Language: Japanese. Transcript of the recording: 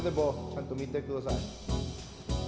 ちゃんとみてください。